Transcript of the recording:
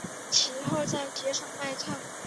其后在街上卖唱。